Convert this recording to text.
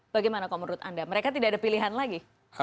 bagaimana kalau menurut anda mereka tidak ada pilihan lagi